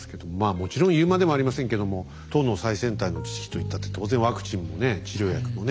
もちろん言うまでもありませんけども唐の最先端の知識と言ったって当然ワクチンもね治療薬もね